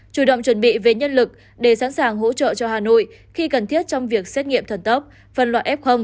chủ động chuẩn bị về nhân lực để sẵn sàng hỗ trợ cho hà nội khi cần thiết trong việc xét nghiệm thần tốc phân loại f